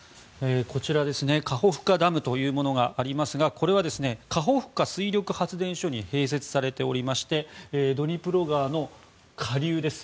こちら、カホフカダムというものがありますがこれはカホフカ水力発電所に併設されておりましてドニプロ川の下流です。